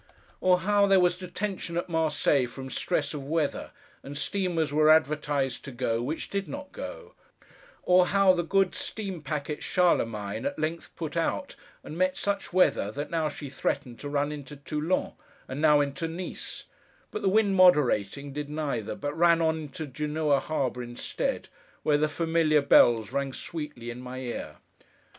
Or how there was detention at Marseilles from stress of weather; and steamers were advertised to go, which did not go; or how the good Steam packet Charlemagne at length put out, and met such weather that now she threatened to run into Toulon, and now into Nice, but, the wind moderating, did neither, but ran on into Genoa harbour instead, where the familiar Bells rang sweetly in my ear.